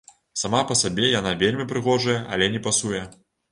Сама па сабе яна вельмі прыгожая, але не пасуе.